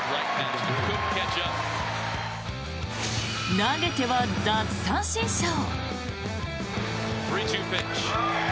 投げては奪三振ショー。